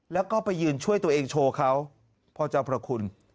แล้วก็ไปยืนช่วยตัวเองโชว์เขาพ่อเจ้าพระคุณ